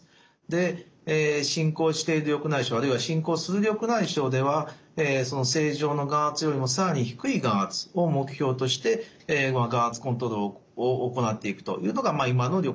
で進行している緑内障あるいは進行する緑内障では正常の眼圧よりも更に低い眼圧を目標として眼圧コントロールを行っていくというのが今の緑内障の治療です。